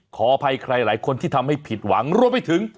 ขออภัยใครหลายคนที่ทำให้ผิดหวังรวมไปถึง